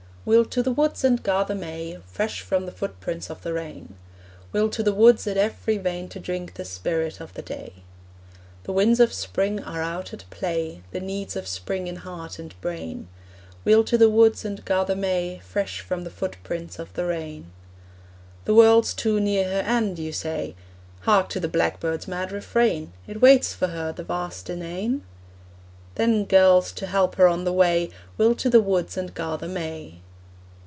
We'll to the woods and gather may Fresh from the footprints of the rain. We'll to the woods, at every vein To drink the spirit of the day. The winds of spring are out at play, The needs of spring in heart and brain. We'll to the woods and gather may Fresh from the footprints of the rain. The world's too near her end, you say? Hark to the blackbird's mad refrain! It waits for her, the vast Inane? Then, girls, to help her on the way We'll to the woods and gather may.